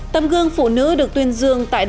tầm gương phụ nữ được tuyên dương